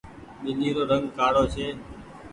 ٻلي رو رنگ ڪآڙو ڇي۔